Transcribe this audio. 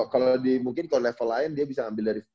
kalau di mungkin level lain dia bisa ambil dari